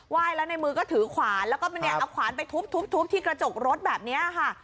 ไหว้แล้วในมือก็ถือขวานแล้วก็มันเนี้ยเอาขวานไปทุบทุบทุบที่กระจกรถแบบเนี้ยค่ะ